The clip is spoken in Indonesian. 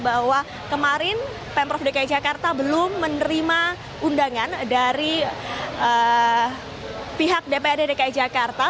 bahwa kemarin pemprov dki jakarta belum menerima undangan dari pihak dprd dki jakarta